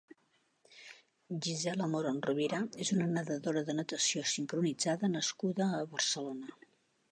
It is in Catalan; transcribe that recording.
Gisela Morón Rovira és una nedadora de natació sincronitzada nascuda a Barcelona.